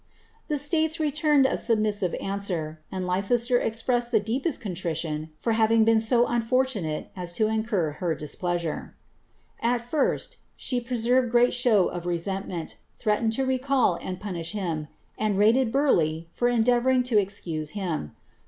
* The states returned a submis iwer, and Leicester expressed the deepest contrition for having unfortunate as to incur her displeasure. rst, alie preserved great show of resentmenti threatened to recal aish him, and rated Burleigh for endeavouring to excuse him.